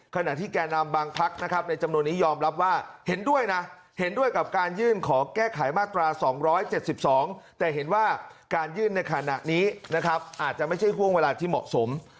ขณะที่แก่นำบางพักนะครับในจำนวนนี้ยอมรับว่าเห็นด้วยนะเห็นด้วยกับการยื่นขอแก้ไขมาตรา๒๗๒แต่เห็นว่าการยื่นในขณะนี้นะครับอาจจะไม่ใช่ห่วงเวลาที่เหมาะสม